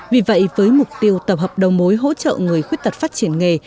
vì vậy với mục tiêu tập hợp đầu mối hỗ trợ người khuyết tật phát triển nghề